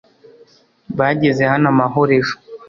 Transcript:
bageze hano amahoro ejo